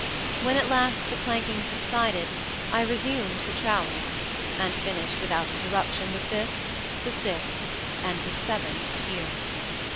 When at last the clanking subsided, I resumed the trowel, and finished without interruption the fifth, the sixth, and the seventh tier.